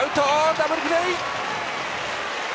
ダブルプレー。